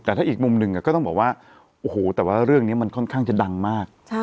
แต่ถ้าอีกมุมหนึ่งก็ต้องบอกว่าโอ้โหแต่ว่าเรื่องนี้มันค่อนข้างจะดังมาก